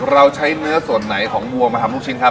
เราใช้เนื้อส่วนไหนของวัวมาทำลูกชิ้นครับ